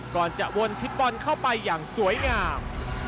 ก่อนจะวนชิปบอลเข้าไปอย่างสวยงาม